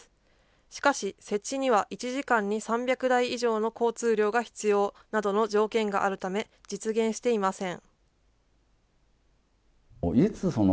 しかし、設置には１時間に３００台以上の交通量が必要などの条件があるため、実現していません。